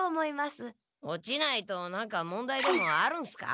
落ちないと何か問題でもあるんすか？